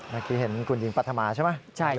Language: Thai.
เมื่อกี้เห็นคุณหญิงปรัฐมาใช่ไหม